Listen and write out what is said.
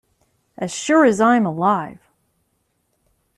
As sure as I am alive